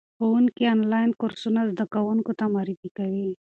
ښوونکي آنلاین کورسونه زده کوونکو ته معرفي کوي.